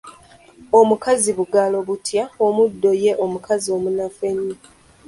Omukazi bugalo butya omuddo ye mukazi omunafu ennyo.